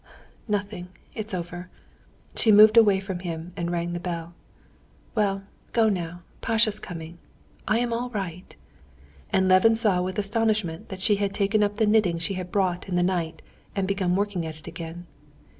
Nothing, it's over." She moved away from him and rang the bell. "Well, go now; Pasha's coming. I am all right." And Levin saw with astonishment that she had taken up the knitting she had brought in in the night and begun working at it again.